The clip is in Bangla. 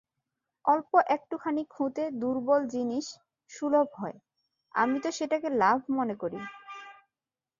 অল্প একটুখানি খুঁতে দুর্লভ জিনিস সুলভ হয়, আমি তো সেটাকে লাভ মনে করি।